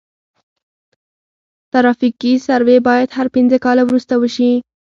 ترافیکي سروې باید هر پنځه کاله وروسته وشي